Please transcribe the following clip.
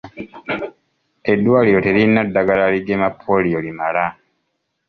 Eddwaliro teririna ddagala ligema pooliyo limala.